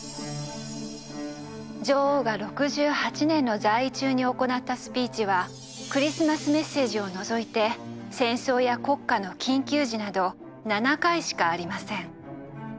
女王が６８年の在位中に行ったスピーチはクリスマスメッセージを除いて戦争や国家の緊急時など７回しかありません。